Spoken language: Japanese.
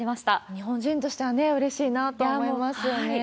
日本人としてはね、うれしいなと思いますよね。